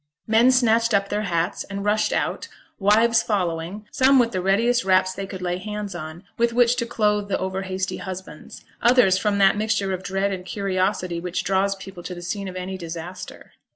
Men snatched up their hats, and rushed out, wives following, some with the readiest wraps they could lay hands on, with which to clothe the over hasty husbands, others from that mixture of dread and curiosity which draws people to the scene of any disaster.